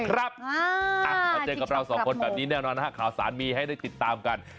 มาเจอกับเราสองคนแบบนี้แน่นอนนะฮะข่าวสารมีให้ได้ติดตามกัน